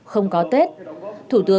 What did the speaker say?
không có tết